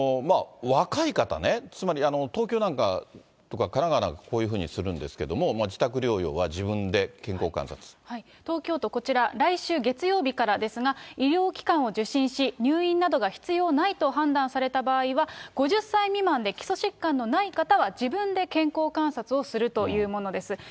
若い方ね、つまり、東京なんかとか神奈川なんかこういうふうにするんですけれども、自宅療養は自分で健康東京都、こちら来週月曜日からですが、医療機関を受診し、入院などが必要ないと判断された場合は、５０歳未満で基礎疾患のない方は、自分で健康観察をするというものです。